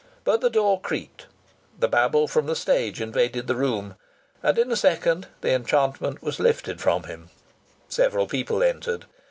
But the door creaked. The babble from the stage invaded the room. And in a second the enchantment was lifted from him. Several people entered.